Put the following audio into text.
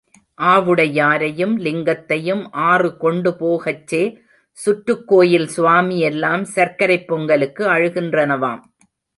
ஆவுடையாரையும் லிங்கத்தையும் ஆறு கொண்டு போகச்சே சுற்றுக் கோயில் சுவாமி எல்லாம் சர்க்கரைப் பொங்கலுக்கு அழுகின்றனவாம்.